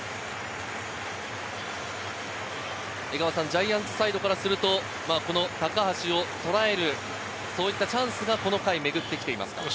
ジャイアンツサイドからすると高橋をとらえるチャンスがこの回めぐってきていますか？